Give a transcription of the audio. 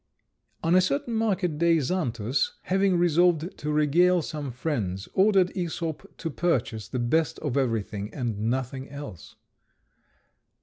On a certain market day Xantus, having resolved to regale some friends, ordered Æsop to purchase the best of everything, and nothing else.